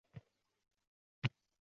Tog`ang qattiq gapirmaydimi